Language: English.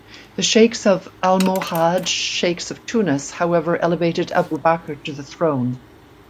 The sheikhs of Almohad sheikhs of Tunis however elevated Abu Bakr to the throne.